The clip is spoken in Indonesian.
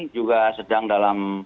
juga sedang dalam